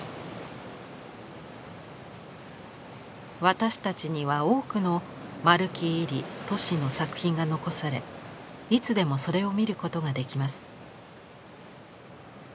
私たちには多くの丸木位里・俊の作品が残されいつでもそれを見ることができます。